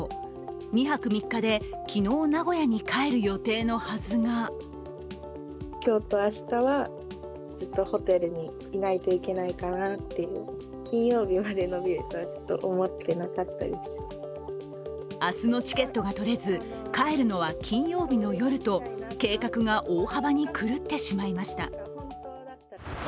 ２泊３日で昨日、名古屋に帰るはずの予定が明日のチケットが取れず帰るのは金曜日の夜と計画が大幅に狂ってしまいました。